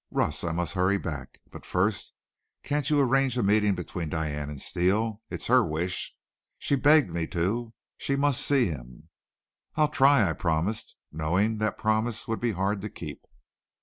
Russ, I must hurry back. But, first, can't you arrange a meeting between Diane and Steele? It's her wish. She begged me to. She must see him." "I'll try," I promised, knowing that promise would be hard to keep.